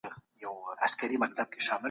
د لویې جرګي په اړه څوک معلومات ورکوي؟